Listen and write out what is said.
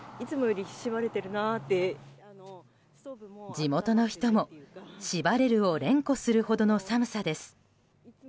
地元の人も、しばれるを連呼するほどの寒さです。